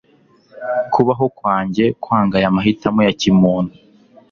Kubaho kwanjye kwanga aya mahitamo ya kimuntu